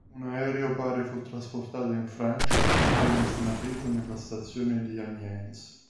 Un aereo pare fu trasportato in Francia e venne smarrito nella stazione di Amiens.